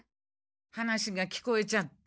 話が聞こえちゃって。